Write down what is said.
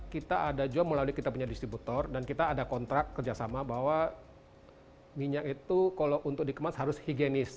kita ada jual melalui kita punya distributor dan kita ada kontrak kerjasama bahwa minyak itu kalau untuk dikemas harus higienis